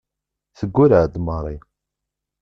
Teggurreɛ-d Mary.